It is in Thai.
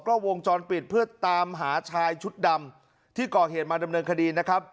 ก็วงจรปิดเพื่อตามหาชายชุดดำที่ก่อเหตุมาดำเนินคดีนะครับ